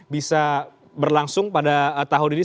bisa berlangsung pada tahun ini